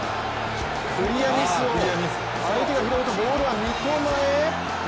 クリアミスを相手が拾うとボールは三笘へ。